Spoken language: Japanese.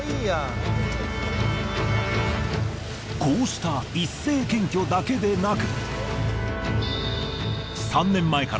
こうした一斉検挙だけでなく。